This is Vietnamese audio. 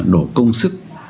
đổ công sức